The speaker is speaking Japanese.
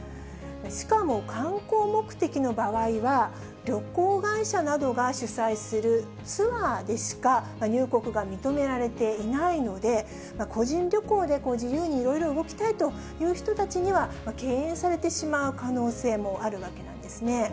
しかも観光目的の場合は、旅行会社などが主催するツアーでしか入国が認められていないので、個人旅行で自由にいろいろ動きたいという人たちには敬遠されてしまうこともあるんですね。